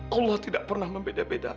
allah tidak pernah membeda beda